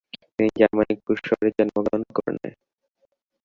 তিনি জার্মানির কুস শহরে জন্মগ্রহণ করনে